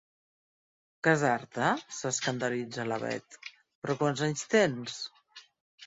Casar-te? —s'escandalitza la Bet— Però quants anys tens?